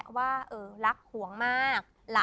ล่วงหน้าค่ะ